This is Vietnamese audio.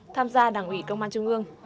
tham gia đảng ủy công an trung ương